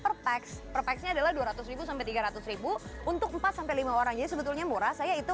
perpaks perpaksnya adalah dua ratus sampai tiga ratus untuk empat lima orangnya sebetulnya murah saya itu